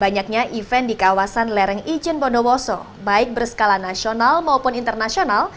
banyaknya event di kawasan lereng ijen bondowoso baik berskala nasional maupun internasional